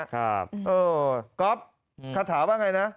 ครับเออก๊อฟข้าถามันไงนะ